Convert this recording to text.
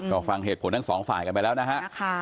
ก็ฟังเหตุผลทั้งสองฝ่ายกันไปแล้วนะฮะ